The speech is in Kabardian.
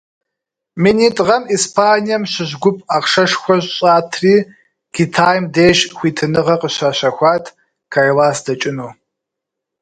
Минитӏ гъэм Испанием щыщ гуп ахъшэшхуэ щӀатри Китайм деж хуитыныгъэ къыщащэхуат Кайлас дэкӀыну.